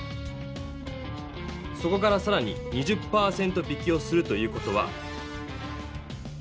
そこからさらに２０％引きをするという事は。